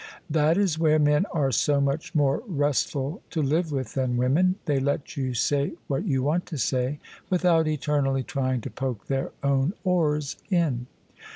"That is where men are so much more restful to live with than women : they let you say what you want to say without eternally trying to poke their own oars in.